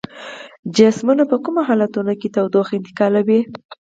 جسمونه په کومو حالتونو کې تودوخه انتقالوي؟